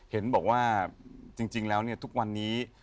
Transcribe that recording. เห็นบอกว่าจริงแล้วทุกวันนี้